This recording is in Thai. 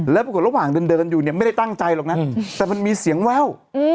แล้วปรากฏระหว่างเดินอยู่เนี่ยไม่ได้ตั้งใจหรอกนะแต่มันมีเสียงแว่ว